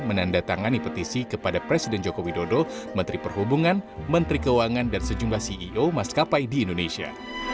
menandatangani petisi kepada presiden joko widodo menteri perhubungan menteri keuangan dan sejumlah ceo maskapai di indonesia